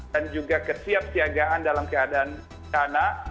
dan juga kesiapsiagaan dalam keadaan tanah